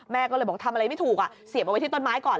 แม่ก็เลยบอกทำอะไรไม่ถูกเสียบเอาไว้ที่ต้นไม้ก่อน